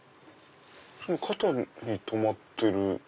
その肩に止まってる。